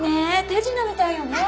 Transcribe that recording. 手品みたいよね。